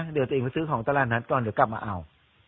เดี๋ยวตัวเองมาซื้อของตลาดนัดก่อนเดี๋ยวกลับมาเอา